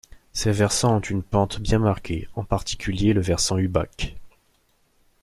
Ses versants ont une pente bien marquée en particulier le versant ubac.